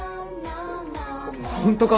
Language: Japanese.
ホントか！？